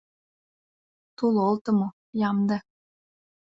Тул олтымо, ямде.